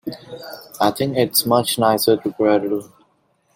I think it's much nicer to quarrel.